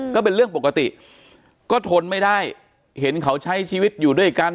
ก็เป็นเรื่องปกติก็ทนไม่ได้เห็นเขาใช้ชีวิตอยู่ด้วยกัน